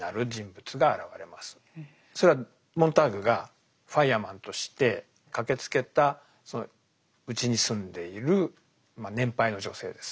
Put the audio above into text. それはモンターグがファイアマンとして駆けつけたそのうちに住んでいる年配の女性です。